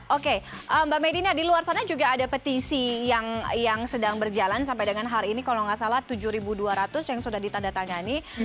oke mbak medina di luar sana juga ada petisi yang sedang berjalan sampai dengan hari ini kalau nggak salah tujuh dua ratus yang sudah ditandatangani